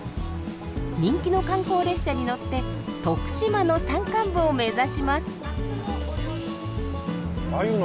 人気の観光列車に乗って徳島の山間部を目指します。